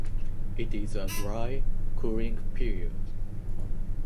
It is a dry, cooling period.